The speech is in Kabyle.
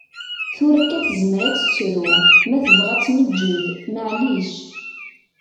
Tura akka tezmer ad tettru, ma tebɣa ad ttmeǧǧed, maɛlic.